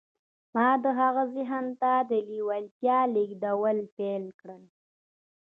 ما د هغه ذهن ته د لېوالتیا لېږدول پیل کړل